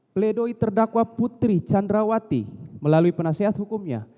pledoi terdakwa putri candrawati melalui penasehat hukumnya